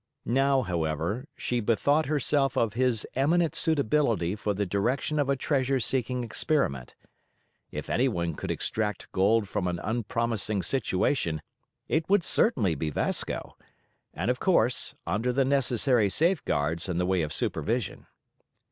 Now, however, she bethought herself of his eminent suitability for the direction of a treasure seeking experiment; if anyone could extract gold from an unpromising situation it would certainly be Vasco—of course, under the necessary safeguards in the way of supervision.